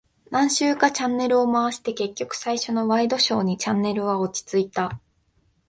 何周かチャンネルを回して、結局最初のワイドショーにチャンネルは落ち着いた。